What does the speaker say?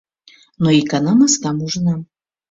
Но икана маскам ужынам.